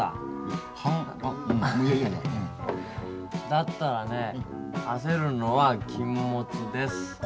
だったらね焦るのは禁物です。